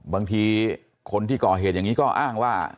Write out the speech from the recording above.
บางทีคนที่ก่อเหตุอย่างนี้ก็อ้างว่า